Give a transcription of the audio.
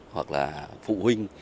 hoặc là phụ huynh